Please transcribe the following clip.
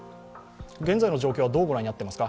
現在の状況はどうご覧になっていますか？